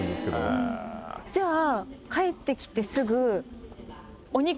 じゃあ。